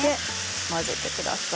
混ぜてください。